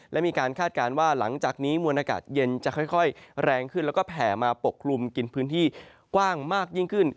และมีการคาดการณ์ว่าหลังจากนี้มวลอากาศเย็นจะค่อยแรงขึ้นแล้วก็แผ่มาปกคลุมกินพื้นที่กว้างมากยิ่งขึ้น